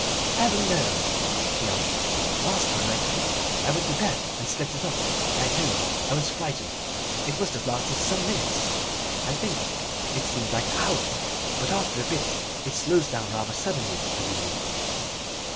"Heaven knows!" he answered. "Last time I took it I went to bed and slept it off. I tell you, I was frightened. It must have lasted some minutes, I think it seemed like hours. But after a bit it slows down rather suddenly, I believe."